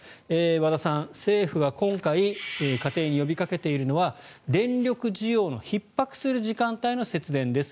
和田さん、政府は今回家庭に呼びかけているのは電力需要のひっ迫する時間帯の節電です。